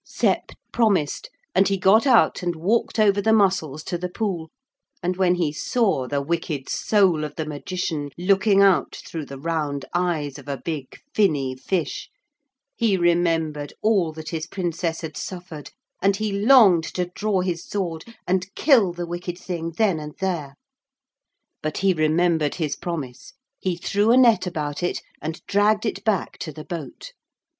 Sep promised, and he got out and walked over the mussels to the pool, and when he saw the wicked soul of the Magician looking out through the round eyes of a big finny fish he remembered all that his Princess had suffered, and he longed to draw his sword and kill the wicked thing then and there. But he remembered his promise. He threw a net about it, and dragged it back to the boat.